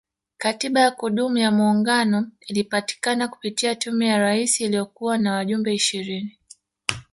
Katiba ya kudumu ya muungano ilipatikana kupitia Tume ya Rais iliyokuwa na wajumbe ishirini